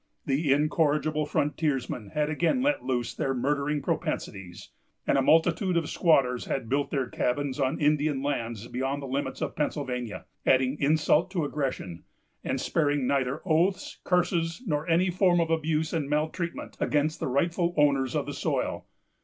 The incorrigible frontiersmen had again let loose their murdering propensities; and a multitude of squatters had built their cabins on Indian lands beyond the limits of Pennsylvania, adding insult to aggression, and sparing neither oaths, curses, nor any form of abuse and maltreatment against the rightful owners of the soil.